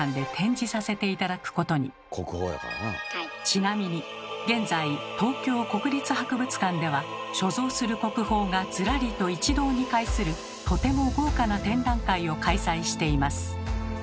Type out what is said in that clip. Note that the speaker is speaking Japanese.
ちなみに現在東京国立博物館では所蔵する国宝がずらりと一堂に会するとても豪華な展覧会を開催しています。